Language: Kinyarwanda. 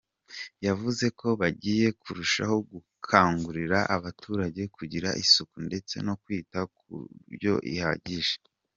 Yavuze ko bagiye kurushaho gukangurira abaturage kugira isuku ndetse no kwita kuryo ihagije.